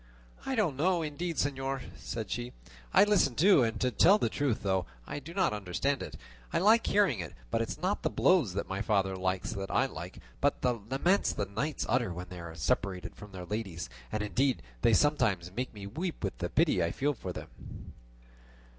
"I don't know indeed, señor," said she; "I listen too, and to tell the truth, though I do not understand it, I like hearing it; but it is not the blows that my father likes that I like, but the laments the knights utter when they are separated from their ladies; and indeed they sometimes make me weep with the pity I feel for them."